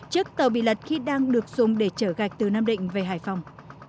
trước tàu bị lật khi đang được dùng để trở gạch từ nam định về hải phòng